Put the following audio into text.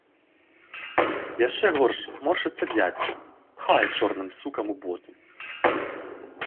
Яшчэ горш моршчыцца дзядзька, пхае чорным сукам у боты.